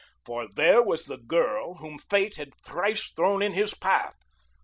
For there was the girl whom Fate had thrice before thrown in his path!